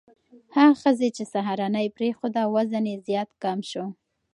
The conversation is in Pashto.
هغه ښځې چې سهارنۍ پرېښوده، وزن یې زیات کم شو.